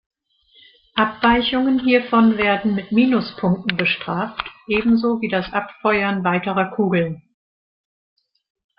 Abweichungen hiervon werden mit Minuspunkten bestraft, ebenso wie das Abfeuern weiterer Kugeln.